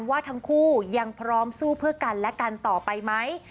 ว่าทั้งคู่ยังพร้อมสู้เพื่อกันและกันต่อไปไหม